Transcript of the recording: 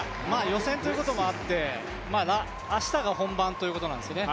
予選ということもあって明日が本番ということなんですよね。